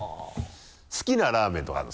好きなラーメンとかあるの？